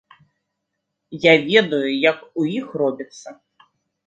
Я ведаю, як у іх робіцца.